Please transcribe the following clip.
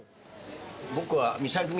僕は。